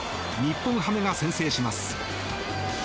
日本ハムが先制します。